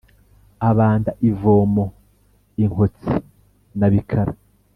Abanda ivomo i Nkotsi na Bikara